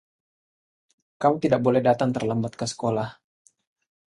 Kamu tidak boleh datang terlambat ke sekolah.